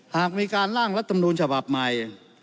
หากมีการล่างรัฐมนูลฉบับใหม่